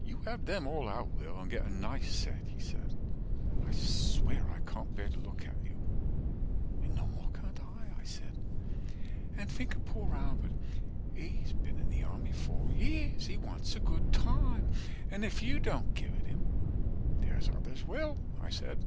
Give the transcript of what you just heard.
You have them all out, Lil, and get a nice set, 145 He said, I swear, I can't bear to look at you. And no more can't I, I said, and think of poor Albert, He's been in the army four years, he wants a good time, And if you don't give it him, there's others will, I said.